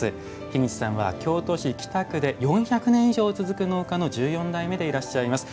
樋口さんは京都市北区で４００年以上続く農家の十四代目でいらっしゃいます。